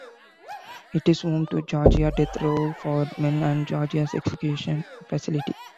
It is home to Georgia's death row for men and Georgia's execution facility.